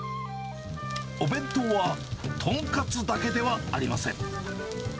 お弁当はとんかつだけではありません。